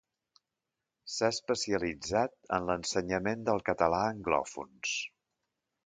S'ha especialitzat en l'ensenyament del català a anglòfons.